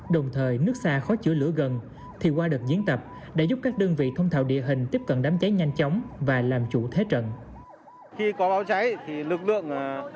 đồng thời nước xa khó chữa lửa gần thì qua đợt diễn tập đã giúp các đơn vị thông thạo địa hình tiếp cận đám cháy nhanh chóng và làm chủ thế trận